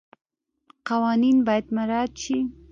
قوانین باید مراعات شي.